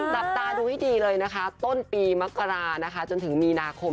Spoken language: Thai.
จับตาดูให้ดีเลยนะคะต้นปีมกรานะคะจนถึงมีนาคม